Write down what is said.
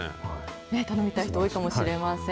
頼みたい人、多いかもしれません。